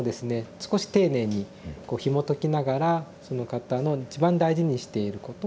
少し丁寧にこうひもときながらその方の一番大事にしていること。